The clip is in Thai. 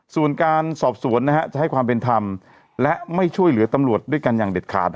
ส่วนการสอบสวนจะให้ความเป็นธรรมและไม่ช่วยเหลือตำรวจด้วยกันอย่างเด็ดขาด